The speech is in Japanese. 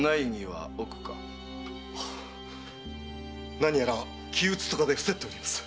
何やら気うつとかで伏せっております。